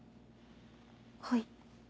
はい。